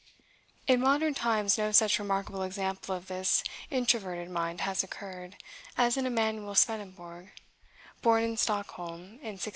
In modern times, no such remarkable example of this introverted mind has occurred, as in Emanuel Swedenborg, born in Stockholm, in 1688.